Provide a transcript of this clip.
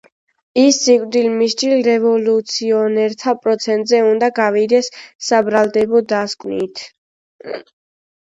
ის სიკვდილმისჯილ რევოლუციონერთა პროცესზე უნდა გავიდეს საბრალდებო დასკვნით.